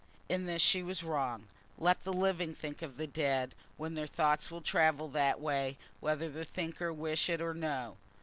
In this she was wrong. Let the living think of the dead, when their thoughts will travel that way whether the thinker wish it or no.